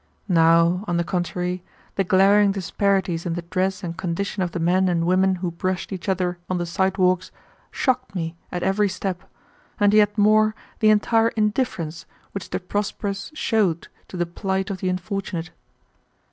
Now on the contrary the glaring disparities in the dress and condition of the men and women who brushed each other on the sidewalks shocked me at every step, and yet more the entire indifference which the prosperous showed to the plight of the unfortunate.